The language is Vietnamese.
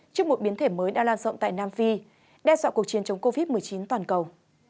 trước một biến thể mới đã lan rộng tại nam phi đe dọa cuộc chiến chống covid một mươi chín toàn cầu